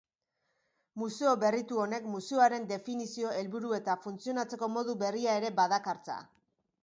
Museo berritu honek museoaren definizio, helburu eta funtzionatzeko modu berria era badakartza.